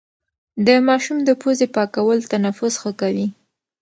د ماشوم د پوزې پاکول تنفس ښه کوي.